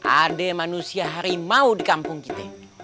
ade manusia harimau di kampung kita